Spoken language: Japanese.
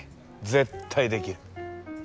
絶対できる。